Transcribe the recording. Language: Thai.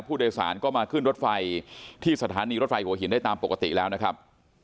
ผู้โดยสารก็มาขึ้นรถไฟที่สถานีรถไฟหัวหินได้ตามปกติแล้วนะครับ